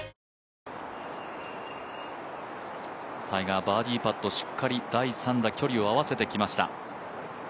タイガーバーディーパット、しっかり第３打距離を合わせてきました。